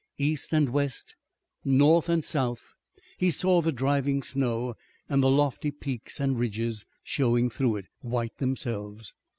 East and west, north and south he saw the driving snow and the lofty peaks and ridges showing through it, white themselves.